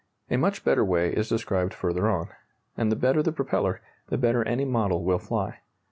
A much better way is described further on and the better the propeller, the better any model will fly.